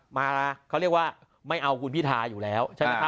มาเขาเรียกว่าไม่เอาคุณพิทาอยู่แล้ว